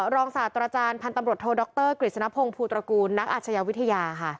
ศาสตราจารย์พันธุ์ตำรวจโทดรกฤษณพงศ์ภูตระกูลนักอาชญาวิทยาค่ะ